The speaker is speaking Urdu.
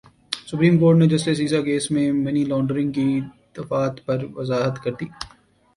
سپریم کورٹ نے جسٹس عیسی کیس میں منی لانڈرنگ کی دفعات پر وضاحت کردی